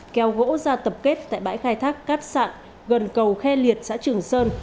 kéo gỗ ra tập kết tại bãi khai thác cát sạn gần cầu khe liệt xã trường sơn